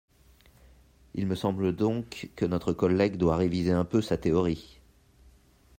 Il me semble donc que notre collègue doit réviser un peu sa théorie.